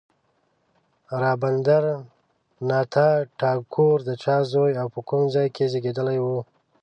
رابندر ناته ټاګور د چا زوی او په کوم ځای کې زېږېدلی و.